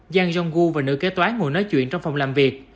giang jong u và nữ kế toán ngồi nói chuyện trong phòng làm việc